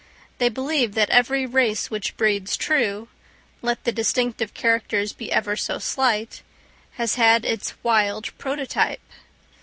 They believe that every race which breeds true, let the distinctive characters be ever so slight, has had its wild prototype.